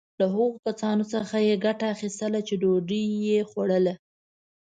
له هغو کسانو څخه یې ګټه اخیستله چې ډوډی یې خوړله.